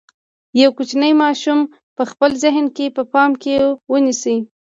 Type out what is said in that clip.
یو کوچنی ماشوم په خپل ذهن کې په پام کې ونیسئ.